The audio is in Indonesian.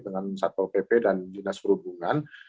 dengan satpol pp dan dinas perhubungan